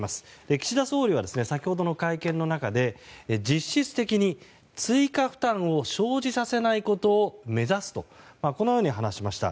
岸田総理は先ほどの会見の中で実質的に追加負担を生じさせないことを目指すとこのように話しました。